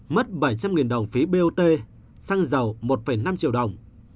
mất bảy trăm linh đồng phí bot xăng dầu một năm triệu đồng